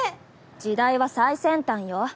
時代は最先端よ。